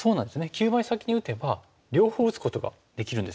急場に先に打てば両方打つことができるんですよね。